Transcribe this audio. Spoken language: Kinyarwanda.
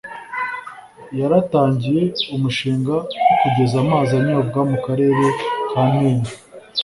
yaratangiye umushinga wo kugeza amazi anyobwa mu karere ka ntenyo